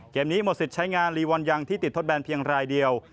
นี้หมดสิทธิ์ใช้งานลีวอนยังที่ติดทดแบนเพียงรายเดียว